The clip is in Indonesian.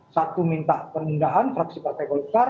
satu minta penundaan fraksi partai golkar